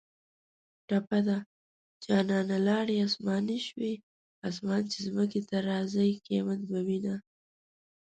ټپه ده: جانانه لاړې اسماني شوې اسمان چې ځمکې ته راځۍ قیامت به وینه